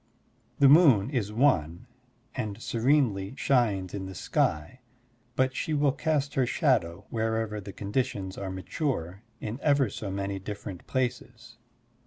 The moon is one and serenely shines in the sky, but she will cast her shadow, wherever the conditions are mature, in ever so many different places.